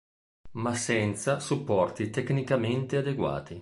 Ma senza supporti tecnicamente adeguati.